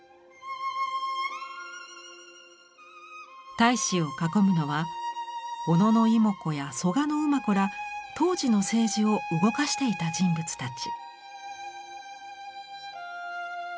太子を囲むのは小野妹子や蘇我馬子ら当時の政治を動かしていた人物たち。